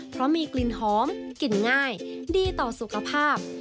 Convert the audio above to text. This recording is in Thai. เพราะมีกลิ่นหอมกลิ่นง่ายดีต่อสุขภาพ